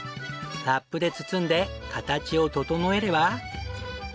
ラップで包んで形を整えれば。